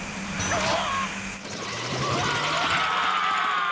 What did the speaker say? うわ！